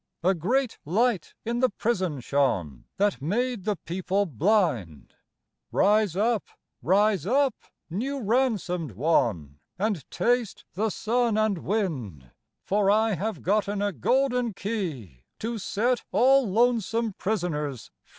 A great light in the prison shone That made the people blind : Rise up, rise up, new ransomed one, And taste the sun and wind : For I have gotten a golden key To set all lonesome prisoners free.